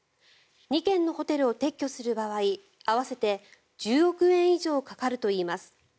２軒のホテルを撤去する場合合わせて１０億円以上かかるといいます。